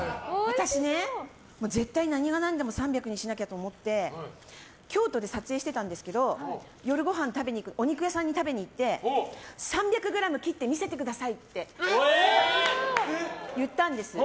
私ね、絶対何がなんでも３００にしなきゃと思って京都で撮影してたんですけど夜ごはんお肉屋さんに食べに行って３００ｇ切って見せてくださいって言ったんです。